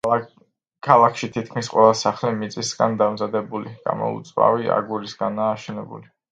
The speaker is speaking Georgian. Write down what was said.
ქალაქში თითქმის ყველა სახლი მიწისგან დამზადებული, გამოუწვავი აგურისგანაა აშენებული.